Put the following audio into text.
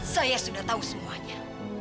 saya sudah tahu semuanya